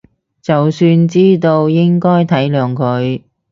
就算知道應該體諒佢